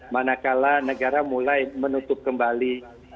manakala negara mulai menutup kembali